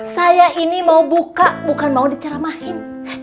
saya ini mau buka bukan mau diceramahin